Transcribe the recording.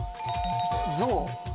ゾウ。